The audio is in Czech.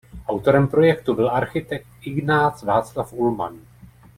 Autorem projektu byl architekt Ignác Václav Ullmann.